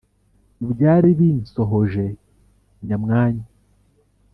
Mubyari binsohoje nyamwanyu